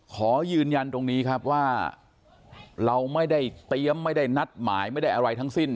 ขอยืนยันตรงนี้ครับว่าเราไม่ได้เตรียมไม่ได้นัดหมายไม่ได้อะไรทั้งสิ้น